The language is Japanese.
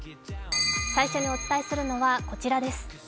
最初にお伝えするのは、こちらです